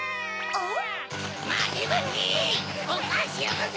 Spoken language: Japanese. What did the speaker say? あっ！